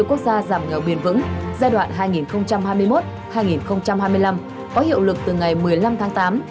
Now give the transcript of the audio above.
quốc gia giảm nghèo bền vững giai đoạn hai nghìn hai mươi một hai nghìn hai mươi năm có hiệu lực từ ngày một mươi năm tháng tám